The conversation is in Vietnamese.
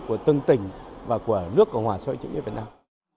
của từng tỉnh và của nước cộng hòa xã hội chủ nghĩa việt nam